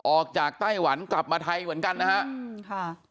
ไต้หวันกลับมาไทยเหมือนกันนะฮะ